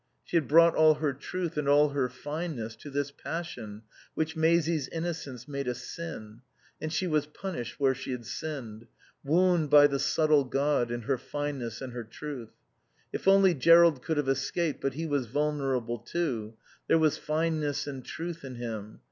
She had brought all her truth and all her fineness to this passion which Maisie's innocence made a sin, and she was punished where she had sinned, wounded by the subtle God in her fineness and her truth. If only Jerrold could have escaped, but he was vulnerable, too; there was fineness and truth in him.